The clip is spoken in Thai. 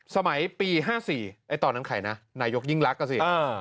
สมัยปี๕๔ตอนนั้นใครนะนายกยิ่งรักอ่ะสิ